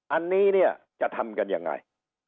อันนี้เนี่ยจะทำกันยังไง